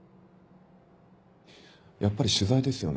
やっぱり取材ですよね？